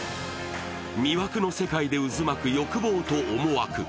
魅惑の世界で渦巻く欲望と思惑。